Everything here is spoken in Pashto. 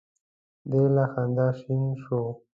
دی له خندا شین شو.